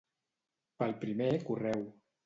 Pel primer correu.